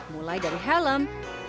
mulai dari helm